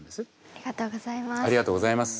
ありがとうございます。